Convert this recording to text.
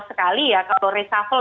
sekali ya kalau resafel